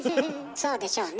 「そうでしょうね」